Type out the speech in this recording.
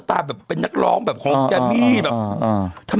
ไต้นักร้องแบบนั้น